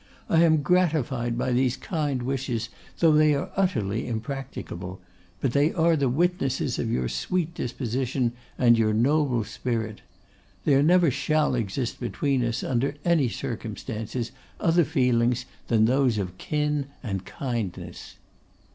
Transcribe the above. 'I am gratified by these kind wishes, though they are utterly impracticable; but they are the witnesses of your sweet disposition and your noble spirit. There never shall exist between us, under any circumstances, other feelings than those of kin and kindness.